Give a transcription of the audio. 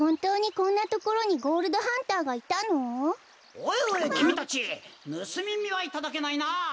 おいおいきみたちぬすみみはいただけないなあ。